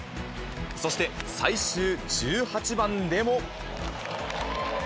そして、最終１８番でも。